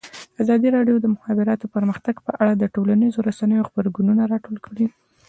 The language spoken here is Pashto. ازادي راډیو د د مخابراتو پرمختګ په اړه د ټولنیزو رسنیو غبرګونونه راټول کړي.